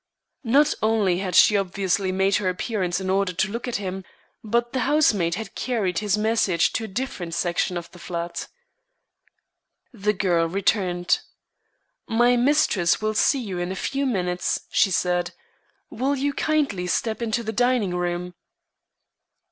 Not only had she obviously made her appearance in order to look at him, but the housemaid had carried his message to a different section of the flat. The girl returned. "My mistress will see you in a few minutes," she said. "Will you kindly step into the dining room?"